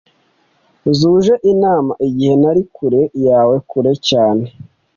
zuje inama igihe nari kure yawe kure cyane